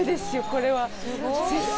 これは。